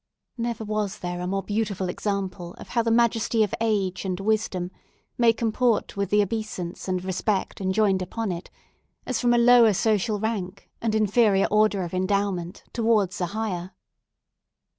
Never was there a more beautiful example of how the majesty of age and wisdom may comport with the obeisance and respect enjoined upon it, as from a lower social rank, and inferior order of endowment, towards a higher.